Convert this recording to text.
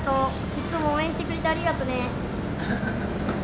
いつも応援してくれてありがとね。